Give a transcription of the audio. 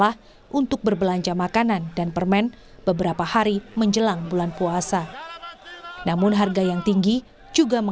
pihak berunang palestina melaporkan serangan udara militer israel